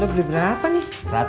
lo beli berapa nih